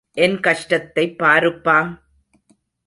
என் கஷ்டத்தைப் பாருப்பா!